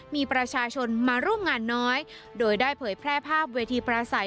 มีประชาชนมาร่วมงานน้อยโดยได้เผยแพร่ภาพเวทีปราศัย